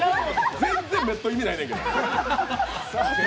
全然メット意味ないねんけど！